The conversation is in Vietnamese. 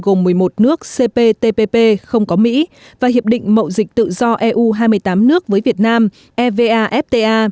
gồm một mươi một nước cptpp không có mỹ và hiệp định mậu dịch tự do eu hai mươi tám nước với việt nam evfta